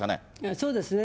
そうですね。